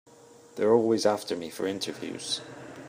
They're always after me for interviews.